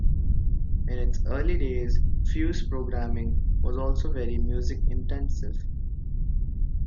In its early days, Fuse programming was also very music-intensive.